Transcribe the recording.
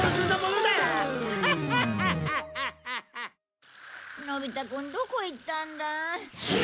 のび太くんどこ行ったんだ？